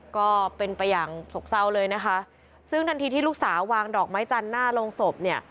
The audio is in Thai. ก็เป็นไปอย่างโศกเศร้าเลยนะคะซึ่งทันทีที่ลูกสาววางดอกไม้จันทร์หน้าโรงศพเนี่ย